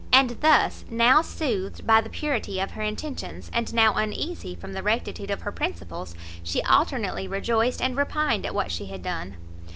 And thus, now soothed by the purity of her intentions, and now uneasy from the rectitude of her principles, she alternately rejoiced and repined at what she had done.